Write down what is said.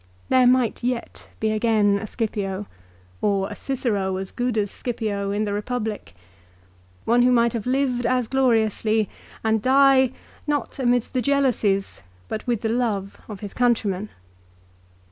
There might yet be again a Scipio, or a Cicero as good as Scipio in the Eepublic ; one who might have lived as gloriously and die, not amidst the jealousies, but with the love of his countrymen.